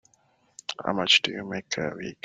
How much do you make a week?